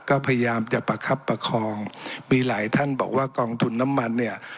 ก็พยายามจะประคับประคองมีหลายท่านบอกว่ากองทุนน้ำมันเนี่ย